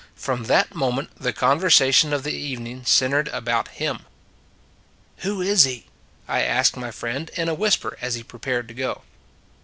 From that moment the conversation of the evening centered about him. " Who is he? " I asked my friend in a whisper as he prepared to go.